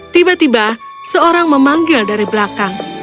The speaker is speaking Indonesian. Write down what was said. tiba tiba seorang memanggil dari belakang